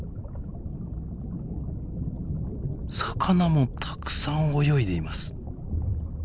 魚もたくさん泳いでいます。